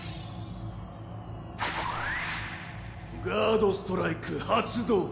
ガード・ストライク発動。